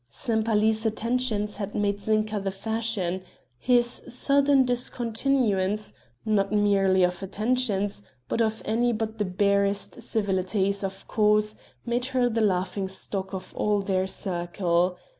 Sempaly's attentions had made Zinka the fashion; his sudden discontinuance, not merely of attentions, but of any but the barest civilities, of course, made her the laughing stock of all their circle.